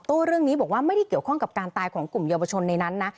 เรื่องนี้บอกว่าไม่ได้เกี่ยวข้องกับการตายของกลุ่มเยาวชนในนั้นนะ